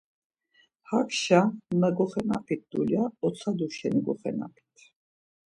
Hakşa na goxenapit dulya otsadu şeni goxenapit.